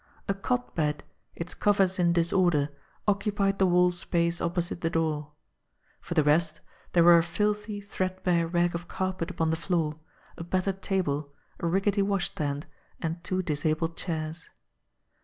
A cot bed, its covers in disorder, occupied the wall space opposite the door. For the rest, there were a filthy, threadbare rag of carpet upon the floor, a battered table, a rickety washstand, and two disabled chairs.